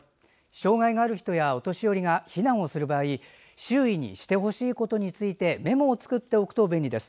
障害がある人やお年寄りが避難をする場合周囲にしてほしいことについてメモを作っておくと便利です。